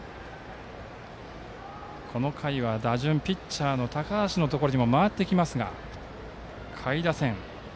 この回は打順ピッチャーの高橋のところにも回ってきますが、下位打線。